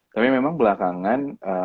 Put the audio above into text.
tapi memang belakangan